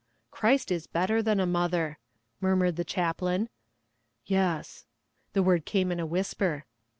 'Christ is better than a mother,' murmured the chaplain. 'Yes.' The word came in a whisper.